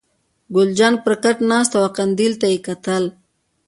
ګل جانه پر کټ ناسته وه او قندیل ته یې کتل.